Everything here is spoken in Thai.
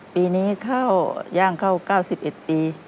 ปีนี้ข้าวย่างเข้า๙๑ปี